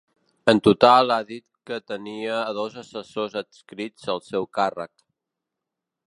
En total, ha dit que tenia a dos assessors adscrits al seu càrrec.